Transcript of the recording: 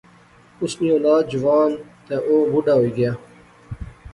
اس نی اولاد جوان یہ او بڈھا ہوئی گیا